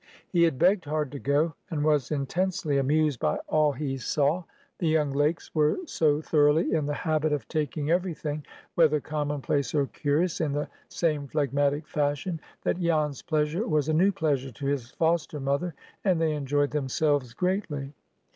He had begged hard to go, and was intensely amused by all he saw. The young Lakes were so thoroughly in the habit of taking every thing, whether commonplace or curious, in the same phlegmatic fashion, that Jan's pleasure was a new pleasure to his foster mother, and they enjoyed themselves greatly.